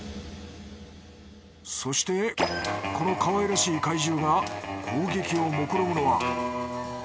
そしてこのかわいらしい怪獣が攻撃をもくろむのは。